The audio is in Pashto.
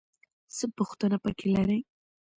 څه پوښتنه پکې لرې؟